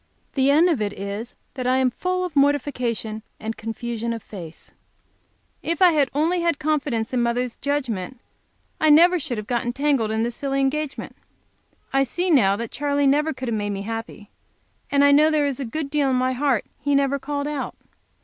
The end of it is that I am full of mortification and confusion of face. If I had only had confidence in mother's judgment I should never have get entangled in this silly engagement. I see now that Charley never could have made me happy, and I know there is a good deal in my heart he never called out.